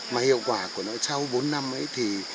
mà hiệu quả của nó sau bốn năm ấy thì